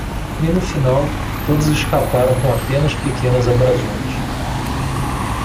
E no final? todos escaparam com apenas pequenas abrasões.